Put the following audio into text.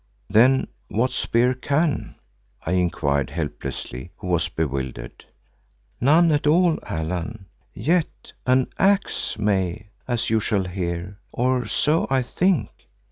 "Then what spear can?" I inquired helplessly, who was bewildered. "None at all, Allan, yet an axe may, as you shall hear, or so I think.